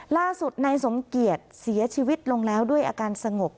ล่าสุดนายสมเกียจเสียชีวิตลงแล้วด้วยอาการสงบ